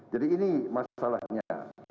jadi ini masalahnya